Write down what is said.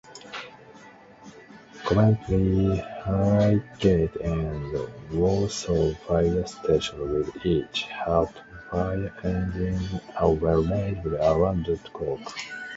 Coventry, Highgate and Walsall fire stations will each have two fire engines available around-the-clock.